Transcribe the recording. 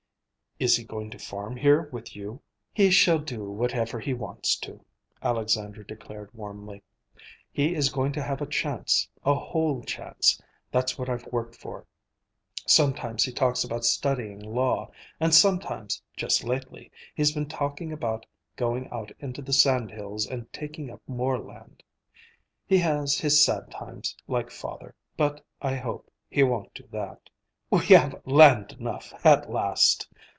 "Is he going to farm here with you?" "He shall do whatever he wants to," Alexandra declared warmly. "He is going to have a chance, a whole chance; that's what I've worked for. Sometimes he talks about studying law, and sometimes, just lately, he's been talking about going out into the sand hills and taking up more land. He has his sad times, like father. But I hope he won't do that. We have land enough, at last!"